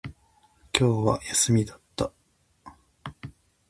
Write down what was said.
今日は休みだった